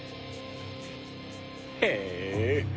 へえ！